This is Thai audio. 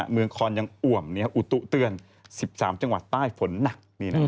คอนยังอ่วมอุตุเตือน๑๓จังหวัดใต้ฝนหนัก